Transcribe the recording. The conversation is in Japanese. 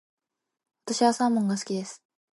私はサーモンが好きです。